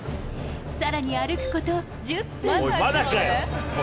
さらに歩くこと１０分。